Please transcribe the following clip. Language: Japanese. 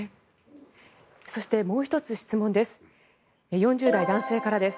そしてもう１つ質問です。